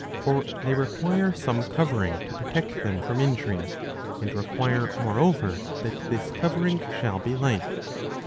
For they require some covering to. protect them from injury, and require moreover that this covering shall be light.